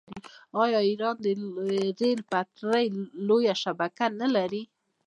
آیا ایران د ریل پټلۍ لویه شبکه نلري؟